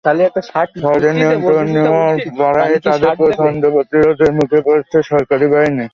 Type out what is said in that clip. শহরের নিয়ন্ত্রণ নেওয়ার লড়াইয়ে তাদের প্রচণ্ড প্রতিরোধের মুখে পড়ছে সরকারি বাহিনী।